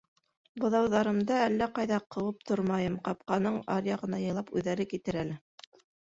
Быҙауҙарымды әллә ҡайҙа ҡыуып тормайым, ҡапҡаның аръяғына яйлап үҙҙәре китер әле.